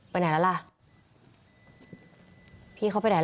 ไปไหนแล้วล่ะ